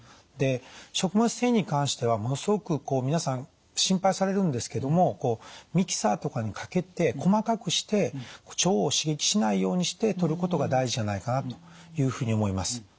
で食物繊維に関してはものすごく皆さん心配されるんですけどもミキサーとかにかけて細かくして腸を刺激しないようにしてとることが大事じゃないかなというふうに思います。